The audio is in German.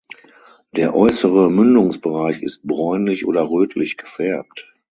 Der äußere Mündungsbereich ist bräunlich oder rötlich gefärbt.